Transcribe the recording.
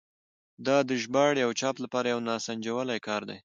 دا د ژباړې او چاپ لپاره یو ناسنجولی کار دی.